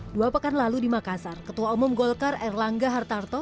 dua pekan lalu di makassar ketua umum golkar erlangga hartarto